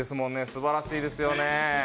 素晴らしいですよね。